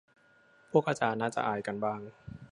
พวกอาจารย์น่าจะอายกันบ้าง